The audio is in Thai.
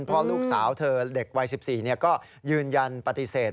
เพราะลูกสาวเธอเด็กวัย๑๔ก็ยืนยันปฏิเสธ